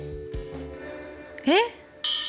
えっ！？